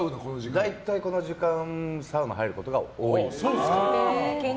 大体この時間サウナ入ることが多いです。